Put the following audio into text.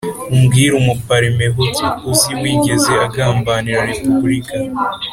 umbwire umuparmehutu uzi wigeze agambanira repubulika